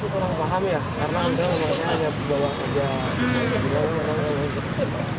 semuanya hanya bawa ke gajal genap